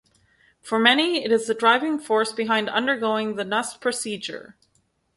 For many, it is the driving force behind undergoing the Nuss procedure.